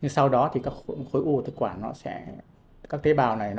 sau đó các khối u của thực quản sẽ phát triển